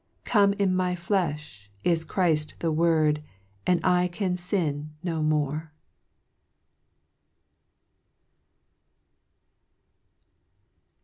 " Come in my flefli— is Chrift the Word, And I can fin no more